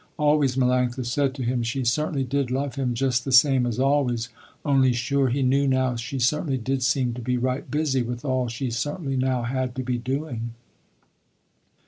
Always Melanctha said to him, she certainly did love him just the same as always, only sure he knew now she certainly did seem to be right busy with all she certainly now had to be doing.